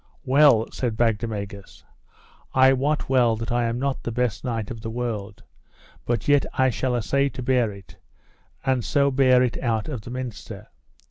Well, said Bagdemagus, I wot well that I am not the best knight of the world, but yet I shall assay to bear it, and so bare it out of the minster.